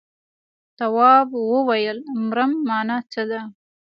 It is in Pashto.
تواب وويل: مرم مانا څه ده.